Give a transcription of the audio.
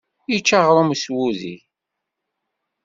Yečča aɣrum s wudi.